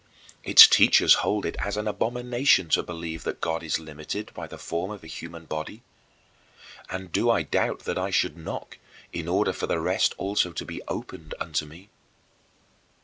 Its teachers hold it as an abomination to believe that God is limited by the form of a human body. And do I doubt that I should 'knock' in order for the rest also to be 'opened' unto me?